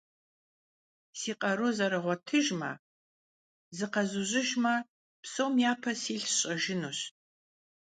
Си къару зэрыгъуэтыжмэ, зыкъэзужьыжмэ, псом япэ силъ сщӀэжынущ.